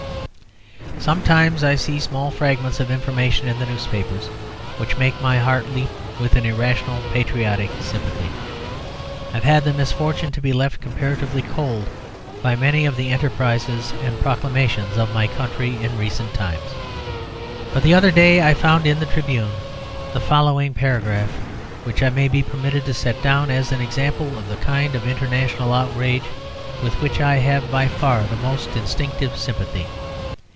Sometimes I see small fragments of information in the newspapers which make my heart leap with an irrational patriotic sympathy. I have had the misfortune to be left comparatively cold by many of the enterprises and proclamations of my country in recent times. But the other day I found in the Tribune the following paragraph, which I may be permitted to set down as an example of the kind of international outrage with which I have by far the most instinctive sympathy.